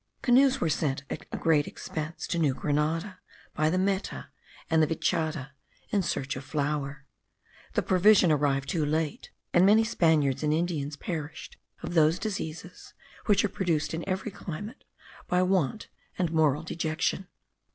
Canoes were sent at a great expense to New Grenada, by the Meta and the Vichada, in search of flour. The provision arrived too late, and many Spaniards and Indians perished of those diseases which are produced in every climate by want and moral dejection.